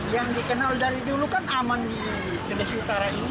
yang dikenal dari dulu kan aman di indonesia utara ini